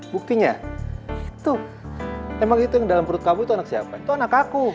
buktinya itu emang itu yang dalam perut kamu itu anak siapa itu anak aku